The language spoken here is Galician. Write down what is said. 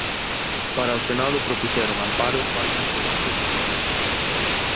Para o senado propuxeron: amparo Baña Florencio cardador.